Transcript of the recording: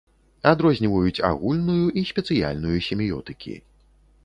Адрозніваюць агульную і спецыяльную семіётыкі.